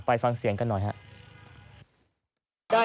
ไปฟังเสียงกันหน่อยฮะ